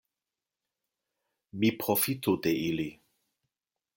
Mi profitu de ili.